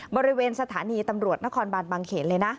บริเวณสถานีตำรวจนครบานบางเขนเลยนะ